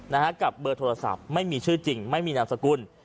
นะฮะกับเบอร์โทรศัพท์ไม่มีชื่อจริงไม่มีนามสกุล